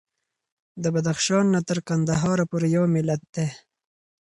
د بدخشان نه تر قندهار پورې یو ملت دی.